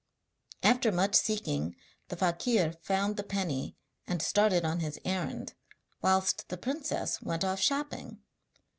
After much seeking the fakir found the penny and started on his errand, whilst the princess went off shopping.